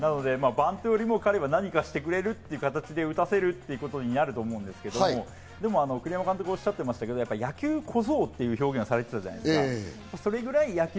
バントよりも彼は何かしてくれるということで、打たせることになると思うんですけど、栗山監督もおっしゃってましたけど、「野球小僧」という表現をされていたじゃないですか。